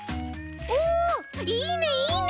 おおいいねいいね。